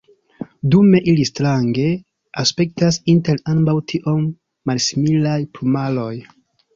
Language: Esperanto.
Dume ili strange aspektas inter ambaŭ tiom malsimilaj plumaroj.